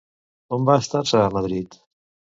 On va estar-se, a Madrid?